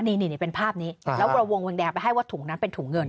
นี่เป็นภาพนี้แล้วเราวงแดงไปให้ว่าถุงนั้นเป็นถุงเงิน